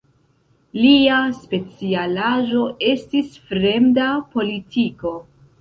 Lia specialaĵo estis fremda politiko.